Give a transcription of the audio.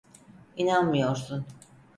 İnanmıyorsun.